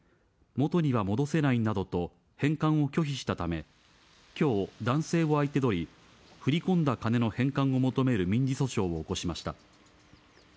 元には戻せないなどと、返還を拒否したため、きょう、男性を相手取り、振り込んだ金の返還を求める民事訴訟を起こしました。